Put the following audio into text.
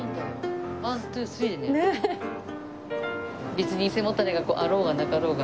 別に背もたれがあろうがなかろうが。